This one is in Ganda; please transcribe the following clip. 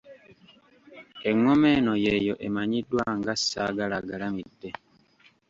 Engoma eno y'eyo emanyiddwa nga Saagalaagalamidde.